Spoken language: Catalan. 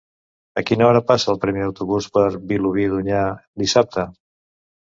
A quina hora passa el primer autobús per Vilobí d'Onyar dissabte?